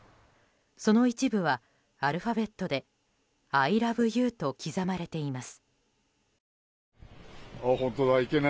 その一部はアルファベットで「ＩＬＯＶＥＹＯＵ」と刻まれています。